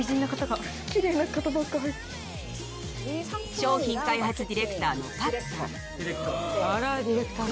商品開発ディレクターのパクさん。